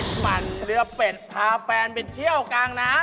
มันเกลือเป็ดพาแฟนไปเที่ยวกลางน้ำ